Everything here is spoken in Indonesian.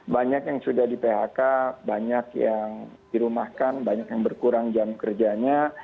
banyak yang sudah di phk banyak yang dirumahkan banyak yang berkurang jam kerjanya